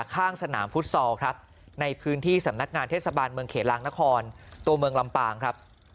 ข้างสนามฟุตซอลครับในพื้นที่สำนักงานเทศบาลเมืองเขลางนครตัวเมืองลำปางครับ